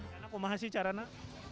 kamu mahasiswa cara naik